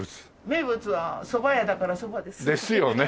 名物はそば屋だからそばです。ですよね。